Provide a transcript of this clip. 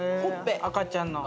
赤ちゃんの？